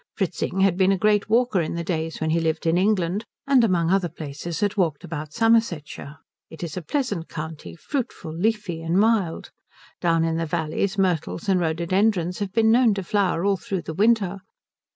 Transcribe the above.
Fritzing had been a great walker in the days when he lived in England, and among other places had walked about Somersetshire. It is a pleasant county; fruitful, leafy, and mild. Down in the valleys myrtles and rhododendrons have been known to flower all through the winter.